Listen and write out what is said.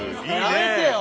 やめてよ